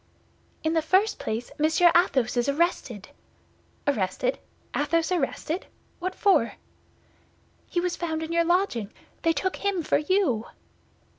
"In the first place, Monsieur Athos is arrested." "Arrested! Athos arrested! What for?" "He was found in your lodging; they took him for you."